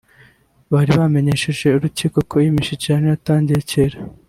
bari bamenyesheje urukiko ko iyi mishyikirano yatangiye kera